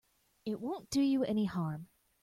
It won't do you any harm.